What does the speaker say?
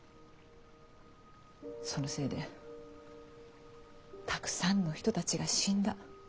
そのせいでたくさんの人たちが死んだ。